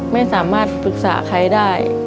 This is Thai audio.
ไม่สามารถปรึกษาใครได้